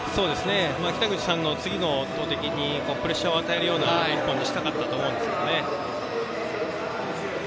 北口さんの次の投てきにプレッシャーを与えるような１本にしたかったと思います。